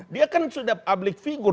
dia kan sudah publik figur